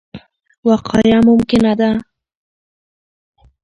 وقایه ممکنه ده.